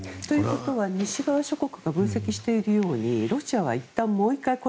ということは西側諸国が分析しているようにロシアはいったんもう１回